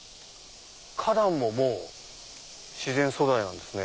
花壇ももう自然素材なんですね。